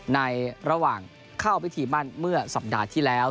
ในระหว่างเข้าพิธีมั่นเมื่อสัปดาห์ที่แล้ว